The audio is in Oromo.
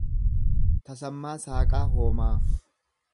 Tasammaa Saaqaa Hoomaa